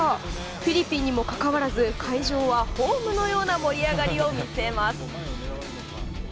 フィリピンにもかかわらず会場はホームのような盛り上がりを見せます。